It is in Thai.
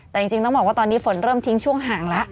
แต่จริงต้องบอกว่าตอนนี้ฝนเริ่มทิ้งช่วงห่างแล้ว